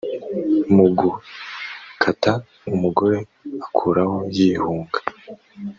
mu gukata umugore akuraho yihunga.